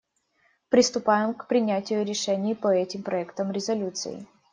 Приступаем к принятию решений по этим проектам резолюций.